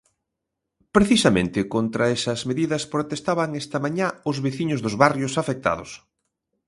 Precisamente contra esas medidas protestaban esta mañá os veciños dos barrios afectados.